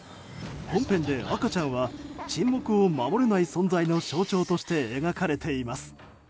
本編で赤ちゃんは沈黙を守れない存在の象徴として描かれています。